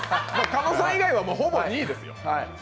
狩野さん以外はほぼ２位ですよ。